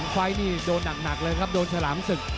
ไฟล์นี่โดนหนักเลยครับโดนฉลามศึก